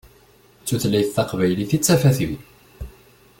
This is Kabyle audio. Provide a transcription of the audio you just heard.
D tutlayt taqbaylit i d tafat-iw.